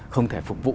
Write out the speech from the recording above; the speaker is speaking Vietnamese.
không thể phục vụ